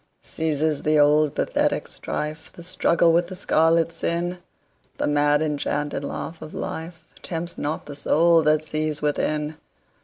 Ceases the old pathetic strife, The struggle with the scarlet sin:The mad enchanted laugh of lifeTempts not the soul that sees within.